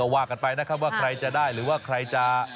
ว่ากันไปนะครับว่าใครจะได้หรือว่าใครจะ